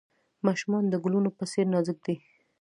ماشومان د ګلونو په څیر نازک دي.